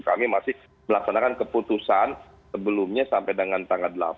kami masih melaksanakan keputusan sebelumnya sampai dengan tanggal delapan